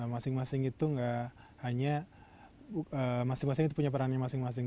masing masing itu nggak hanya masing masing itu punya perannya masing masing